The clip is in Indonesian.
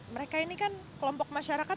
mereka ini kan kelompok masyarakat